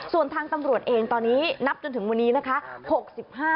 ส่วนทางตำรวจเองตอนนี้นับจนถึงวันนี้นะคะ